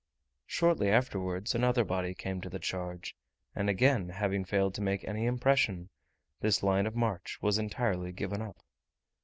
Shortly afterwards another body came to the charge, and again having failed to make any impression, this line of march was entirely given up.